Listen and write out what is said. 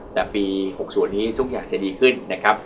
แต่ปี๖๐นี้ทุกอย่างจะดีขึ้นนะครับ